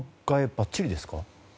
ばっちりですか？